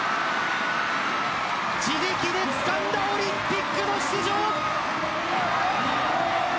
自力でつかんだオリンピックの出場。